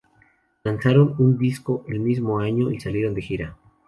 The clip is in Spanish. Lanzaron un disco el mismo año y salieron de gira.